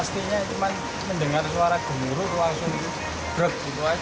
kepada suara gemuruh langsung bergerak